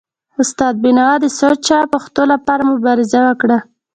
استاد بینوا د سوچه پښتو لپاره مبارزه وکړه.